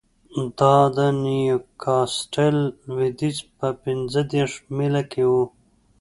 دا د نیوکاسټل لوېدیځ په پنځه دېرش میله کې و